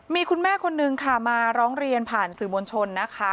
มีคุณแม่คนนึงค่ะมาร้องเรียนผ่านสื่อมวลชนนะคะ